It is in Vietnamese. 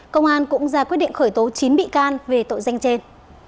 công an cũng ra quyết định khởi tố chín bị can về tội danh trên